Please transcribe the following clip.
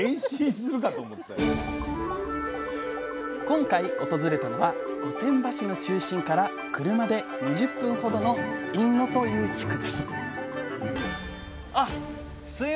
今回訪れたのは御殿場市の中心から車で２０分ほどの印野という地区ですあすいません。